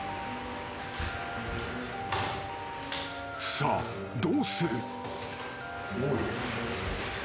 ［さあどうする？］